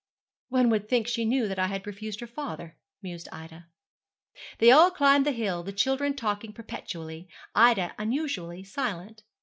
'One would think she knew that I had refused her father,' mused Ida. They all climbed the hill, the children talking perpetually, Ida unusually silent.